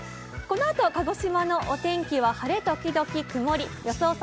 このあと鹿児島のお天気は晴れ時々曇り予想